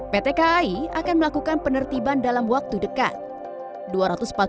pt kai akan melakukan penertiban dalam waktu yang berakhir